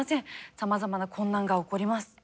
さまざまな困難が起こります。